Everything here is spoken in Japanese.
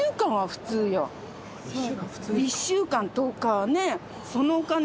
１週間、１週間、１０日はね。